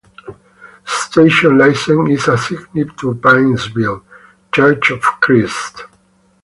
The station license is assigned to Paintsville Church of Christ.